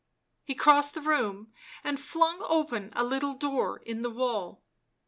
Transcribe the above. He crossed the room and flung open a little door in the wall.